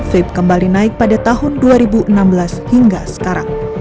vape kembali naik pada tahun dua ribu enam belas hingga sekarang